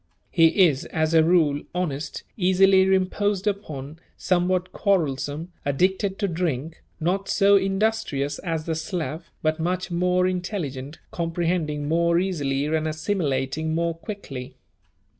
He is, as a rule, honest, easily imposed upon, somewhat quarrelsome, addicted to drink, not so industrious as the Slav but much more intelligent, comprehending more easily and assimilating more quickly.